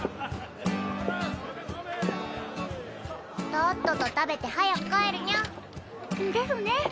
とっとと食べて早く帰るニャ。ですね。